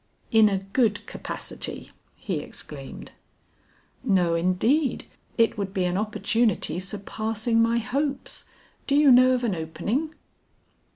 "In a good capacity," he exclaimed. "No indeed; it would be an opportunity surpassing my hopes. Do you know of an opening?"